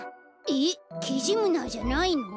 えっキジムナーじゃないの？